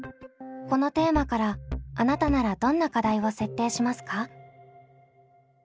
このテーマからあなたならどんな課題を設定しますか？